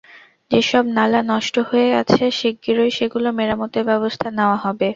যেসব নালা নষ্ট হয়ে গেছে শিগগিরই সেগুলো মেরামতের ব্যবস্থা নেওয়া হবে।